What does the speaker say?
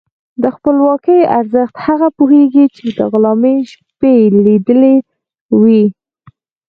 د خپلواکۍ ارزښت هغه پوهېږي چې د غلامۍ شپې یې لیدلي وي.